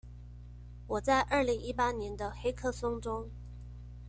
我在二零一八年的黑客松中